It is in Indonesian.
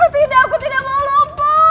tidak aku tidak mau lompat